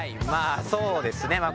まあそうですね。